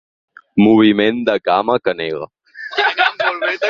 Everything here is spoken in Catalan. Moviment de cama que nega.